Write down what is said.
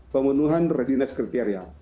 pemenuhan readiness kriteria